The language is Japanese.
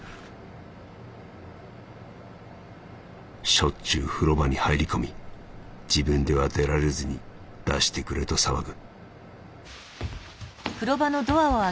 「しょっちゅう風呂場に入り込み自分では出られずに出してくれと騒ぐ」。